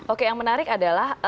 oke yang menarik adalah